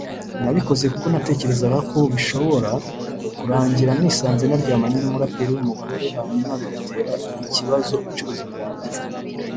nabikoze kuko natekerezaga ko bishobora kurangira nisanze naryamanye n’umuraperi w’umugore hanyuma bigatera ikibazo ubucuruzi bwanjye